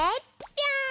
ぴょん！